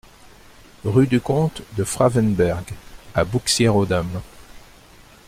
Rue du Comte de Frawenberg à Bouxières-aux-Dames